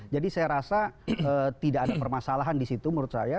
jadi saya rasa tidak ada permasalahan di situ menurut saya